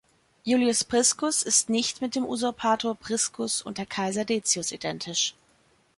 Iulius Priscus ist nicht mit dem Usurpator Priscus unter Kaiser Decius identisch.